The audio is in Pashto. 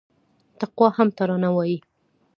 تقوا هم ترانه وايي